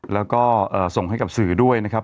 แล้วก็ส่งให้กับสื่อด้วยนะครับ